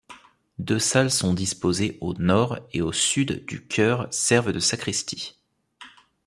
Deux salles sont disposées au nord et au sud du chœur servent de sacristie.